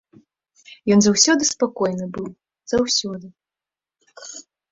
Ён заўсёды спакойны быў, заўсёды.